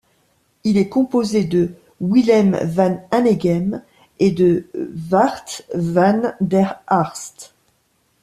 Il est composé de Willem van Hanegem et de Wardt van der Harst.